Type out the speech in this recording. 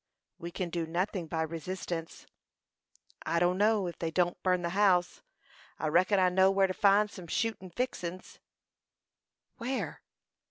"We can do nothing by resistance." "I dunno; if they don't burn the house, I reckon I know whar to find some shootin' fixin's." "Where?"